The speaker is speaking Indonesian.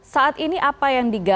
saat ini apa yang diganti